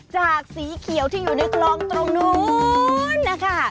สีเขียวที่อยู่ในคลองตรงนู้นนะคะ